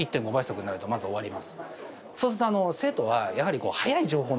そうすると生徒はやはり。